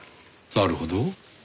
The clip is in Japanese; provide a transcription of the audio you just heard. なるほど。